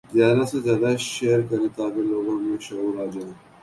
زیادہ سے زیادہ شیئر کریں تاکہ لوگوں میں شعور آجائے